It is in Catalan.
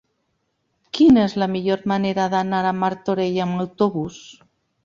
Quina és la millor manera d'anar a Martorell amb autobús?